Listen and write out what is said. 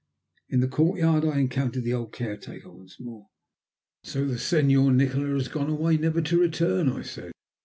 In the courtyard I encountered the old caretaker once more. "So the Senor Nikola has gone away never to return?" I said.